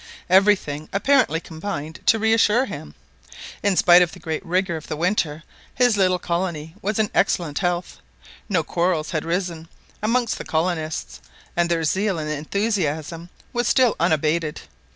Everything apparently combined to reassure him. In spite of the great rigour of the winter, his little colony was in excellent health. No quarrels had arisen amongst the colonists, and their zeal and enthusiasm was still unabated.